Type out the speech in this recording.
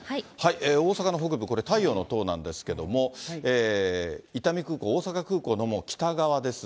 大阪の北部、これ、太陽の塔なんですけれども、伊丹空港、大阪空港の北側です。